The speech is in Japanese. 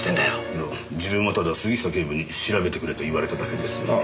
いや自分はただ杉下警部に調べてくれと言われただけですので。